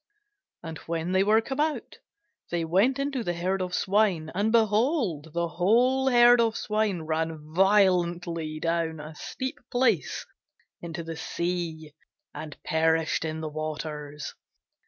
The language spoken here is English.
And when they were come out, they went into the herd of swine: and, behold, the whole herd of swine ran violently down a steep place into the sea, and perished in the waters.